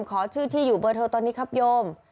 ขอชื่อที่อยู่เบอร์โทรตอนนี้ครับโยม